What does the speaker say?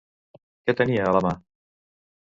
Què tenia a la mà?